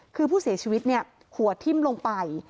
คือผู้เสียชีวิตเนี่ยหัวทิ้มลงไป